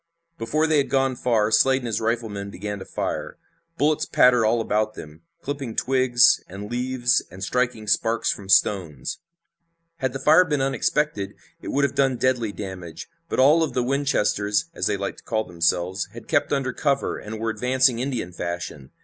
Before they had gone far Slade and his riflemen began to fire. Bullets pattered all about them, clipping twigs and leaves and striking sparks from stones. Had the fire been unexpected it would have done deadly damage, but all of the Winchesters, as they liked to call themselves, had kept under cover, and were advancing Indian fashion.